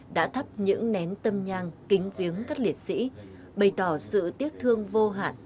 đã thắp những nén tâm nhang kính viếng các liệt sĩ bày tỏ sự tiếc thương vô hạn